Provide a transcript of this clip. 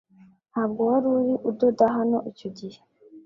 Ntabwo waruri udoda hano icyo gihe .